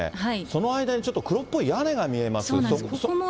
その間にちょっと、黒っぽい屋根が見えます。